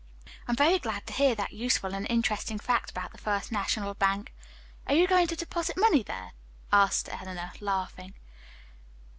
"I am very glad to hear that useful and interesting fact about the First National Bank. Are you going to deposit money there!" asked Eleanor, laughing.